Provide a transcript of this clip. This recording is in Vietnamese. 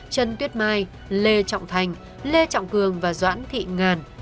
trần tuyết mai lê trọng thành lê trọng cường và doãn thị ngàn